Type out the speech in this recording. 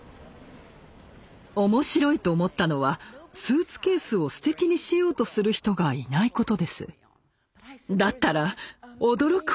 面白いと思ったのはスーツケースをすてきにしようとする人がいないことです。